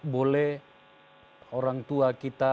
boleh orang tua kita